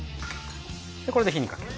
これで火にかける。